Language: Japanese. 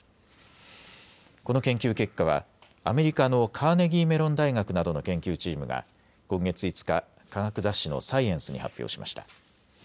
この研究結果はアメリカのカーネギーメロン大学などの研究チームが今月５日、科学雑誌のサイエンスに発表しました。